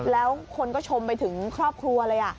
แล้วคนก็ชมไปถึงครอบครัวเลย